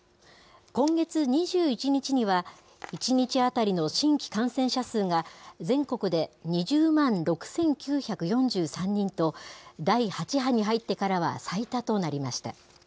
今月２１日には、１日当たりの新規感染者数が全国で２０万６９４３人と、第８波に入ってからは最多となりました。